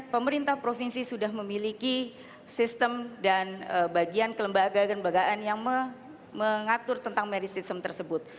pemerintah provinsi sudah memiliki sistem dan bagian kelembagaan kelembagaan yang mengatur tentang merit system tersebut